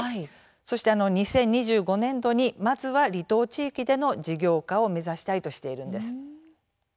そして２０２５年度にまずは離島地域での事業化を目指したいとしているんです。